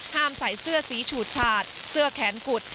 ใส่เสื้อสีฉูดฉาดเสื้อแขนกุด